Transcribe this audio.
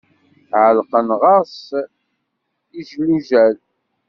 Ɛelqen ɣer-s ijlujal.